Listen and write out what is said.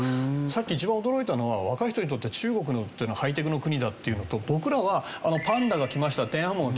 さっき一番驚いたのは若い人にとって中国ってのはハイテクの国だっていうのと僕らは「パンダが来ました」「天安門が」